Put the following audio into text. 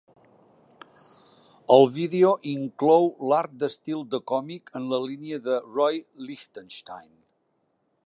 El vídeo inclou l'art d'estil de còmic en la línia de Roy Lichtenstein.